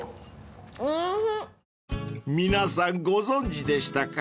［皆さんご存じでしたか？］